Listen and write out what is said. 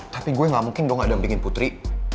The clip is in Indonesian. tapi gue gak mungkin dong gak dampingin putri